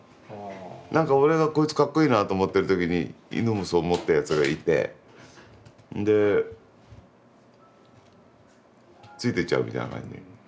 何か俺が「こいつかっこいいな」と思ってる時に犬もそう思ったやつがいてそんでついてっちゃうみたいな感じ。